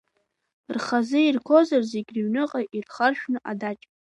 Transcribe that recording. Рхазы иргозар, зегь рыҩныҟа, ирхаршәны адаҷ!